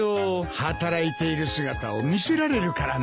働いている姿を見せられるからな。